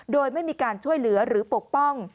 โดยไม่มีการช่วยเหลือหรือปกป้อง